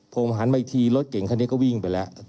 ผมหันมาอีกทีรถเก่งคันนี้ก็วิ่งไปแล้ว